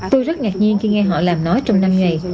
tôi rất ngạc nhiên khi nghe họ làm nó trong năm ngày